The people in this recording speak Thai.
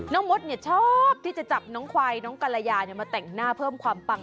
มดชอบที่จะจับน้องควายน้องกรยามาแต่งหน้าเพิ่มความปัง